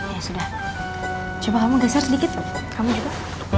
ya sudah coba kamu geser sedikit kok kamu juga